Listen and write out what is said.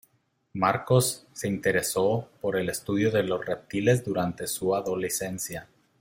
Marcos se interesó por el estudio de los reptiles durante su adolescencia.